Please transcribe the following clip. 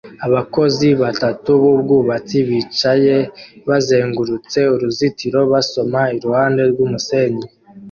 Abakozi batatu b'ubwubatsi bicaye bazengurutse uruzitiro basoma iruhande rw'umusenyi